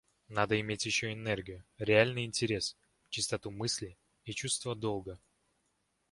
Надо иметь ещё энергию, реальный интерес, чистоту мысли и чувство долга.